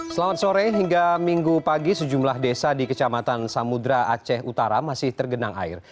selamat sore hingga minggu pagi sejumlah desa di kecamatan samudera aceh utara masih tergenang air